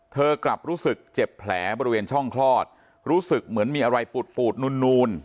เธอกลับรู้สึกเจ็บแผลบริเวณช่องคลอดรู้สึกเหมือนมีอะไรปูดปูดนูน